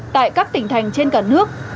tại các tỉnh thành trên cả nước